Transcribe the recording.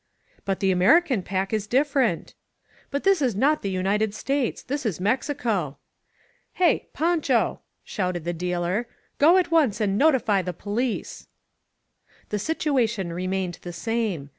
"But the American pack is different!" "But this is not the United States. This is Mex ico !" "Hey! Pancho!" shouted the dealer. "Go at once and notify the police!" 286 EL COSMOPOLITA The situation remained the same.